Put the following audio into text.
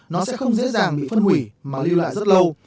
nó sẽ không dễ dàng bị phân hủy mà lưu lại rất lâu